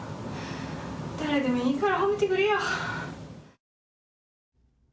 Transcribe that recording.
誰でもいいから褒めてくれよ。